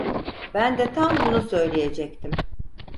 Ben de tam bunu söyleyecektim.